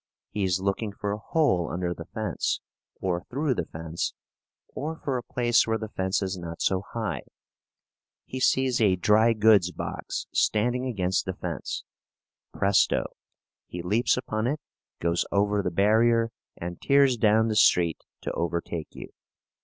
He is looking for a hole under the fence, or through the fence, or for a place where the fence is not so high. He sees a dry goods box standing against the fence. Presto! He leaps upon it, goes over the barrier, and tears down the street to overtake you.